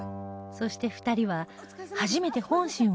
そして２人は初めて本心を語り合う